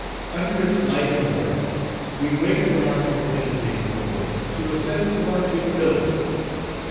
Under its light and warmth, we wake from our torpidity and coldness, to a sense of our capabilities.